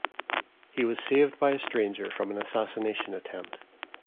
He was saved by a stranger from an assassination attempt.